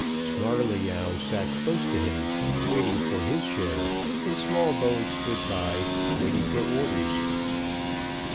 Snarleyyow sat close to him, waiting for his share, and Smallbones stood by, waiting for orders.